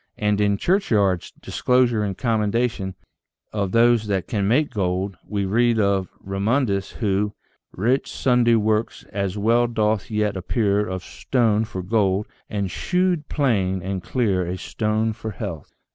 And in Churchyard's " Discourse and Commendation of those that can make Gold," we read of Remundus, who Wrate sundry workes, as well doth yet appeare Of stone for gold, and shewed plaine and cleare A stone for health.